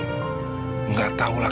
tidak tahu lah